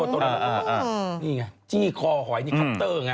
โทรศัพท์วีซีรีย์นี่ไงจี้คอหอยคัปเตอร์ไง